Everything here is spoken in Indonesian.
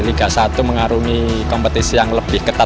dan lebih berharap untuk persebaya bisa mencapai kemampuan yang lebih berharap